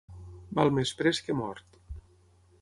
Val més pres que mort.